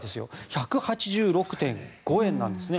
１８６．５円なんですね。